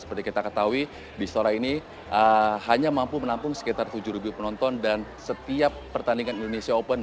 seperti kita ketahui istora ini hanya mampu menampung sekitar tujuh penonton dan setiap pertandingan indonesia open